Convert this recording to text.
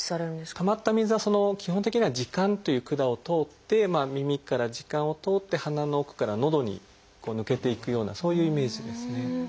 たまった水は基本的には耳管という管を通って耳から耳管を通って鼻の奥から喉に抜けていくようなそういうイメージですね。